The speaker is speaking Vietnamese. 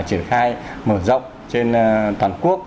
triển khai mở rộng trên toàn quốc